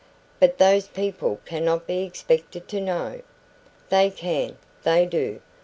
But those people cannot be expected to know " "They can they do.